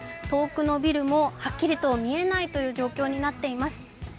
遠くのビルもはっきりと見えないという状況になっています。